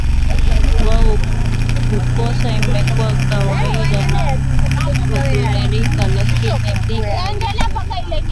Wao kukosa imekuwa kawaida na huridhika lakini dhiki haizoeleki